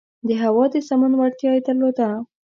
د هوا د سمون وړتیا یې درلوده.